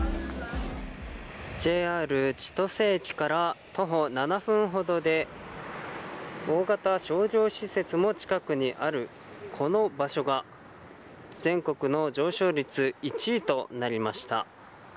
ＪＲ千歳駅から徒歩７分ほどで大型商業施設も近くにあるこの場所が全国の上昇率１位となりました。